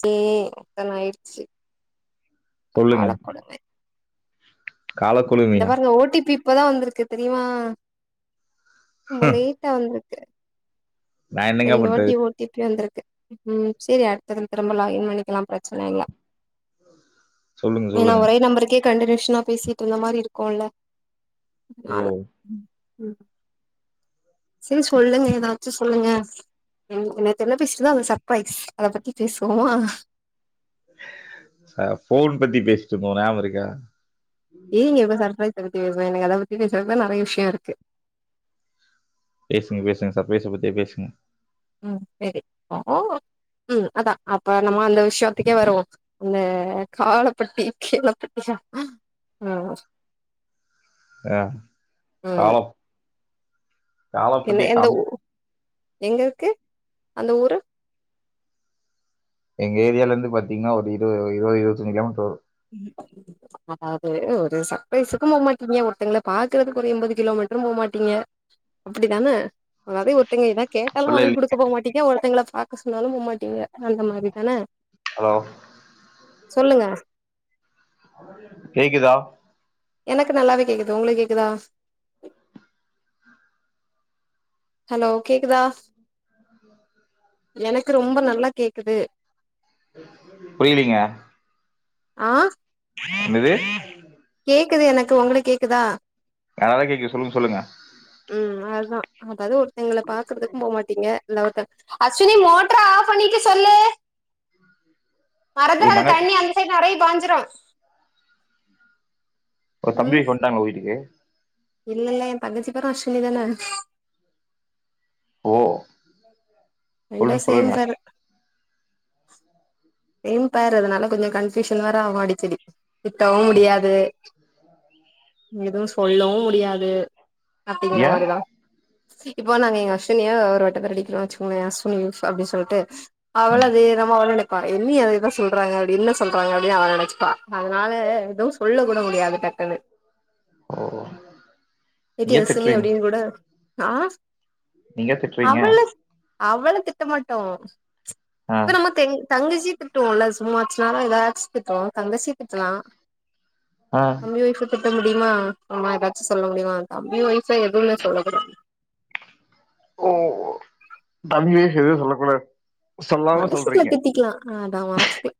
சே அதான் ஆயிச்சு சொல்லுங்க காலக் இந்த பாருங்க ஓடிபி இப்பதா வந்திருக்கு தெரிமா ரொம்ப லேட்டா வந்திருக்கு நான் என்னங்க ரெண்டு வாட்டி பண்றது? ஓடிபி வந்திருக்கு ம் சரி அடுத்த திரும்ப லாகிஇன் பண்ணிக்கலா பிரச்சன இல்ல சொல்லுங்க, ஏன்னா சொல்லுங்க. ஒரே நம்பருக்கே கண்டினியூஷனா பேசிட்டு இருந்த மாதிரி இருக்குல ஓ! ஆனால சரி சொல்லுங்க ஏதாச்சு சொல்லுங்க ம் நேத்து என்ன பேசிட்டு இருந்தோம்அது ஒரு சர்பரைஸ் அத பத்தி பேசுவோமா ஃபோன் பத்தி பேசிட்டு இருப்போ நியாபக இருக்கா ஏன் நீ இப்பா சர்ப்ரைஸ் பத்தி பேசுனா எனக்கு அத பத்தி பேச நெறைய விஷயோ இருக்கு பேசுங்க பேசுங்க சர்ப்ரைஸ பத்தியே பேசுங்க சரி ம் அதா அப்ப நம்ம அந்த விஷயத்துக்கே வருவோ இத காளப்பட்டி கீளப்பட்டியா அ ஆ ம் காளப் என்ன எந்த ஊ எங்க இருக்கு அந்த ஊரு எங்க ஏரியாலிறுது பாத்தீங்ன்னா ஒரு இரு இருபது இருவதஞ்சு கிலோமீட்டர் வரு ம் அதாது ஒரு சர்பரைஸுக்கு போமாட்டீங்க ஒருத்தங்கள பாக்கறதுக்கு ஒரு எம்பது கிலோமீட்ரு போமாட்டீங்க அப்டித்தான அதாவது ஒருத்தங்க ஏதா கேட்டாலு அப்படிலாம் வாங்கி இல்ல குடுக்க போ மாட்டீங்க ஒருத்தவங்கள பாக்க சொன்னாலு போமாட்டீங்க அந்த மாரி தான ஹலோ சொல்லுங்க கேக்குதா எனக்கு நல்லாவே கேக்குது ஒங்களுக் கேக்குதா ஹலோ கேக்குதா எனக்கு ரொம்ப நல்லா கேக்குது புரியுதுங்க ஆ என்னது கேக்குது எனக்கு ஒங்களுக்கு கேக்குதா நல்லா கேக்குது சொல்லுங் சொல்லுங்க ம் அதா அதவாது ஒருத்தவுங்கள பாக்குறதுக்கு போமாட்டீங்க லோத அஸ்வினி மோட்ர்அ ஆஃப் பண்ணிட்டு சொல்லு உங்க மறந்துறாத தங்கச்சி தண்ணி அந்த சைடு நெறைய பாஞ்சிரு உங்க தம்பி ம் வைஃப் வந்டாங்கல வீட்டுக்கு இல்ல ஏ தங்கச்சி பேரு அஸ்வினி தானா ஓ ரெண்டு சொல்லுங்க, சேம் சொல்லுங்க. பேர் சேம் பேர் அதுனால கொஞ்ச கன்ஃப்யூஷன் வேர ஆகு அடிக்கடி திட்டவு முடியாது எதுவு சொல்லவு முடியாது அப்பீங்கிற ஏன்? மாரிதா இப்போ நாங்க எங்க அஸ்வினியா ஒரு வட்டத்தை அடிக்றோ வச்சுகோங்களே அஸ்வினி லூஸ் அப்டின்னு சொல்ட்டு ம். அவ்ளது நம்ம அவ்ள அப்பா என்னி அதுதா சொல்றாங்க அப்டி என்ன சொல்றாங்க அப்டின்னு அவ நெனைச்சிப்பா அதனால எது சொல்ல கூட முடியாதுட்ட குனு ஓ! ஏன் அஸ்வினி திட்டுறீங்க? அப்டின்னு கூட ஆ நீங்க ஏன் திட்டுறீங்க? அவள அவள திட்ட மாட்டோ ஆ சும்மா தேங் தங்கச்சிய திட்டுவோ இல்ல சும்மா அச்சு ஏதாச்சு திட்டுவோ தங்கச்சிய திட்லா ஆ தம்பி வைஃப் திட்ட முடியுமா ஆமா ஏதாச்சு சொல்ல முடியுமா தம்பி வைஃப் எதுவுமே சொல்லக் கூடாது ஓ தம்பி வைஃப் எதுவு சொல்லக்கூடாது சொல்லாம மனசுக்குள்ள சொல்றீங்க திட்டிக்கலா ஆ அதா மனசுக்கு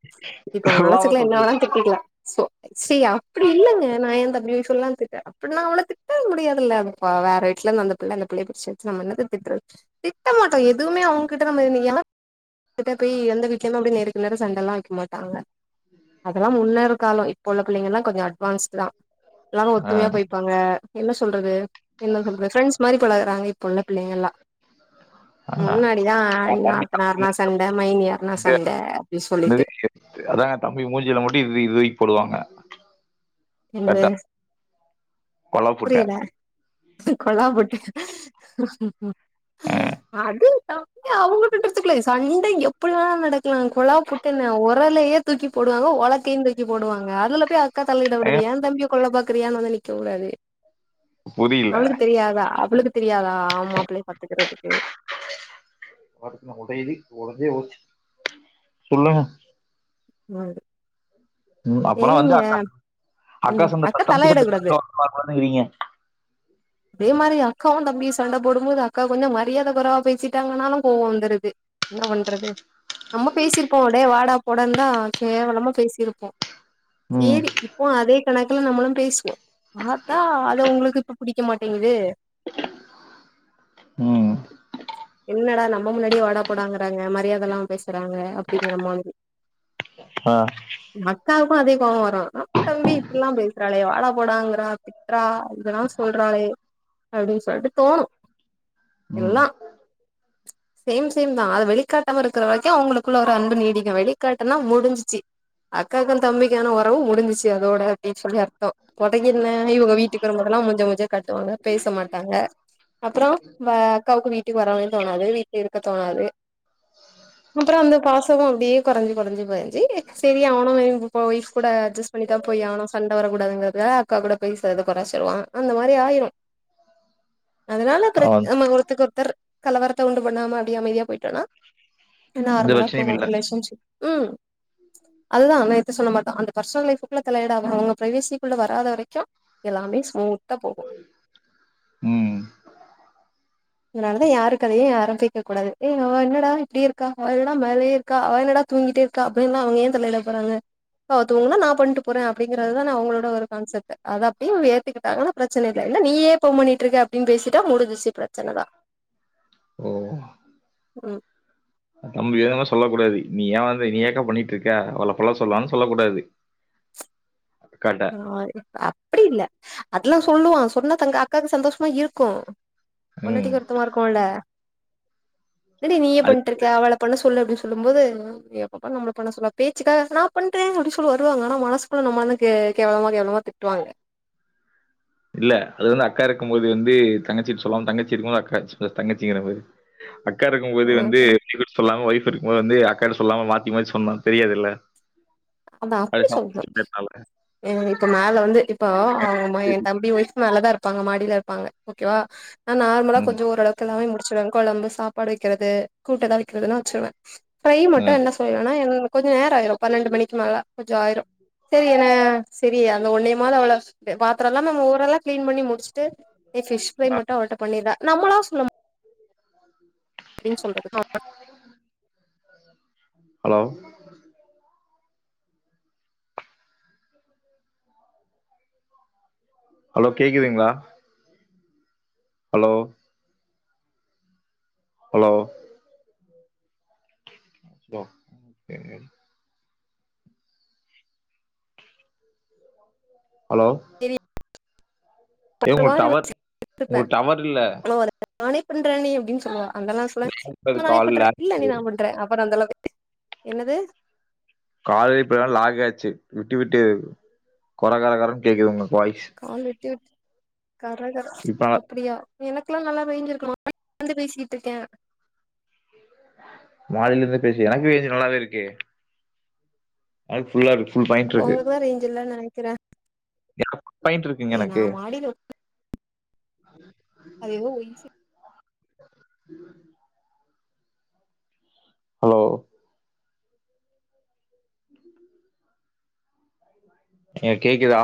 இப்ப சொல்லாம மனசுக்குள்ள என்ன வோணா சொல்றீங்க திட்டிக்கலா சோ சி அப்டி இல்லங்க நா எந்த தம்பி வைஃபதா திட்னே நா அவள திட்ட முடியாதுல்ல அப்ப வ வேற வீட்லந்து வந்த பிள்ளை அந்த பிள்ளை பிடிச்சு நம்ம என்னத்த திட்றது திட்ட மாட்டோ எதுமே அவுங்க கிட்ட நீங்க ஏன்னா கிட்ட போய் எந்த வீடலேயு அப்டி நேருக்கு நேரா சண்டை எல்லா வைக்க மாட்டாங்க அதெல்லா முன்னருக்கால இப்ப உள்ள பிள்ளைங்க எல்லா கொஞ்ச அட்வான்ஸ்ட் தா எல்லாரு ஒத்துமையா ஆஹ் போய்பாங்க என்ன சொல்றது என்ன சொல்றது ப்ரெண்ட்ஸ் மாரி பழகுறாங்க இப்ப உள்ள பிள்ளைங்க எல்லா ஆஹ் முன்னாடிதா ஆஹ் நா தம்பி தம்பி ணா சண்டை மைனி ஆர்னா மூஞ்சில சண்டை அப்டின்னு சொல்லிட்டு என்னது? அதாங்க தம்பி மூஞ்சில மட்டு இது இதுப் போடுவாங்க என்னது கரெக்டா கொலை புட்டை புரியல கொல்லாம் பொட்டு ஆஹ் அதேதா ஏ அவுங்க கட்டு இருத்துக்கலே சண்டை எப்டிலா நடக்கலா குழா புட்டுன்ன உரலயே தூக்கி போடுவாங்க உலக்கைையு தூக்கி போடுவங்க அதுல போய் அக்கா த விடது ஏங்க ஏன் தம்பிய கொல்ல பாக்குறியானு வந்து நிக்க கூடாது புரியல அவளுக்கு தெரியாதா அவளுக்கு தெரியாதா ஆமா பிள்ளைய பாத்துக்கறதுக்கு வாக்குன்ன ஒடை ஒடஞ்சே போச்சு சொல்லுங்க ம் ம் அப்றோ வந்து அக்கா அக்கா ம் சொந்தத்த தலையிடக் கூடாது தம்பி [unintelligible] அதே மாரி அக்காவு தம்பி சண்டை போடும்போது அக்கா கொஞ்சம் மரியாதை குறைவா பேசிட்டாங்கனாலு கோவம் வந்துருது என்ன பண்றது நம்ம பேசிருக்கோ அடே வாடா போடான்னு தா கேவலமா பேசிருப்போ ம் சேரி இப்போ அதே கணக்குல நம்மளு பேசுவோம் பாத்தா அத உங்களுக்கு இப்ப பிடிக் க்க மாட்டேங்குது உ என்னடா நம்ம முன்னாடியே வாடா போடாங்கறாங்க மரியாத இல்லாம பேசுறாங்க அப்படிங்கற மாதிரி ஆ அக்காவுக்கு அதே கோவ வரும் ன்ன தம்பி இப்டிலா பேசுறாளே வாடா போடாங்கறா ரா இதல்லா சொல்றாளே அப்படின்னு சொல்ட்டு தோணு ம் எல்லா சேம் சேம் தான் அது வெளிகாட்டாம இருக்கிற வரைக்கு அவங்களுக்குள்ள ஒரு அன்பு நீடிக்கு வெளிகாடுனா முடிஞ்சிச்சு அக்காக்கு தம்பிக்கான உறவு முடிசிச்சு அதோட அப்டின்னு சொல்லி அர்த்தோ கொடங்கின இவங்க வீட்டுக்கு வரபொதல்லா கொஞ்ச கொஞ்ச கட்டுவாங்க பேச மாட்டாங்க அப்பறோ வ அக்காவுக்கு வீட்டுக்கு வரவு தோணாது வீட்டுல இருக்க தோணாது அப்றோ வந்து பாசமு அப்படியே கொறைஞ்சு கொறைஞ்சு கொறைஞ்சி போயாச்சி அவனு ஒய்ஃப் கூட அட்ஜெஸ் பண்ணிட்டா போய் எவனு சண்டைவர கூடாதுங்கிறதுக்காக அக்கா கூட போய் [inaudible] அந்த மாரி ஆயிரு அதுனால கிருத் அவன் நம்ம ஒருத்தருக்கு ஒருத்தர் கலவரத்தை உண்டு பண்ணாம அப்டி அமைதியா போயிட்டோனா எந்த நார்மலா பிரச்சனையும் போகு இல்லை ரிலேஷன்ஷிப் உ அதுதான நேத்து சொன்ன மார்தா அந்த பர்ஸ்னல் லைஃப் க்குள்ள தலையிடாம அவங்க பிரைவேசிகுள்ள வராத வரைக்கு எல்லாமே ஸ்மூத்தா போகு ம் இதுனாலாதியான் யாரு கதையு யாரு கேக்க கூடாது ஏ அவ என்னடா இப்படி இருக்கா அவ என்னடா மேலே இருக்கா அவ என்னடா தூங்கிட்டே இருக்கா அப்படின்னா அவுங்க ஏன் தலையிட போறாங்க பா அவதுங்குனா நான் பண்ட்டு போறே அப்படிங்கறதுதான அவங்களோட ஒரு கான்செப்ட் அதான் டிவ் ஏத்துகிட்டா ஆ ப்ரச்சனை இல்ல நீ யே போன் பண்ணிட்டு இருக்க அப்டின்னுபேசிட்டா முடிச்சி பிரச் ச்சனதா ஓ நம்ப ஏதும் சொல்ல கூடாது நீ ஏன் வந்து நீ ஏக்கா பண்ணிட்டு இருக்க அவள பண்ண சொல்லலான்னு சொல்ல கூடாது கன் ஆ அப்படி இல்ல அதெல்லா சொல்லுவா சொன்னா தங்க அக்காவுக்கு சந்தோஷமா இருக்கு ம் பொண்டாட்டிக்கு வருத்தமா இருக்குல என்னடி நீயே அது பண்ணிட்டு இருக்க அவள பண்ண சொல்லு அப்படின்னு சொல்லு போது எப்ப பாரு நம்மல பண்ண சொல்வாங்க பேச்சுக்காது நா பண்றேன் அப்படினு சொல்லி வருவாங்க ஆன மனசுகுள்ள நம்ம க்கே கேவலமா கேவளமா திட்டுவாங்க இல்ல அது வந்து அக்கா இருக்கும் போது வந்து தங்கச்சி சொல்லவு தங்கச்சி இருக்கு போது அக்கா தங்கச்சிங்கிற மாதி அக்கா இருக்கு போது வந்து சொல்லாம ஒய்ஃப் இருக்கு போது வந்து அக்காட்ட சொல்லாம மாத்தி மாத்தி சொன்னா தெரியாதுல்ல அத அது அப்டி சொல்னு இப்ப மேல வந்து இப்போ அவங்க என் தம்பி ஒய்ஃப் மேல தான் இரு இருப்பாங்க மாடில இருபாங்க ஓகேவா நா நார்மலா ம் ம். கொஞ்சோ ஓரளவுக்குற ல்லாமே முடிச்சடுவே கொழம்பு சாப்பாடு வைக்கிறது கூட்டு ஏதாவது வைக்கிறதுன்ன வச்சருவே ப்ரை அ. மட்டு என்ன ஆனா கொஞ்ச நேரயாயிரு பன்னெண்டு மணிக்கு மேலே கொஞ்சோ ஆயிரு சேரி ந [inaudible] பாத்தரல்லா நம்ம ஊரெல்லா கிளீன் பண்ணி முடிச் ட்டு பிஷ் பி்ரை மட்டு அவள்ட பண்ணிருவா நம்மளா சொல்ல ஆ அப்படின்னு சொல்றது நார் ஹலோ ஹலோ கேக்குதுகங்ளா ஹலோ ஹலோ ஹலோ ஹலோ ரி ஏ உங்க டவர் உங்க யோசிச்சிருப்பே டவர் இல்ல. நானே பண்றன்டி அப்டின் சொல்லுவா அந்தெல்லா சொல்லா நா நானே கால் பண்றே இல்ல இன்னிக் நா பண்றே அப்பறோ அந்தளவு என்னது? காலே இப்பதா லாக் ஆச்சு விட்டு விட்டு கொர கொரகொரன் கேக்குது உங்க வாய்ஸ். கால் விட்டு விட்டு கரகர இப்ப அப்பிடியா? எனக்குல்லா நல்லா பெஞ்சிருக்கு [inaudible] லந்து பேசிட்டுக்கே. மாடியில இருந்து பேசு எனக்கு [unintelligible] நல்லாவே இருக்கு. அது ஃபுல்லாருக் ஃபுல் பாயிண்ட்ருக்கு. அ ரேஞ்சில்லன் நெனைக்கிறே. [inaudible] பாயிண்ட்ருக்குங்க ஏ நா எனக்கு. மாடியில அது எதோ இசி உம் ஹலோ? ‍ ஏ கேக்குதா?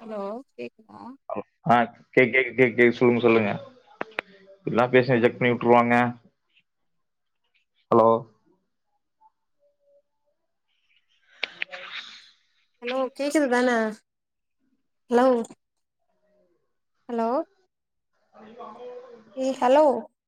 ஹலோ கேக்குதா? ஹலோ அ கேக் கேக்கு கேக் கேக் சொல்லுங்க சொல்லுங்க நல்லா பேசு ரிஜக்ட் பண்ணி உட்ருவாங்க. ஹலோ? ஹலோ கேக்குது தான ஹலோ? ஹலோ? ஏ ஹலோ?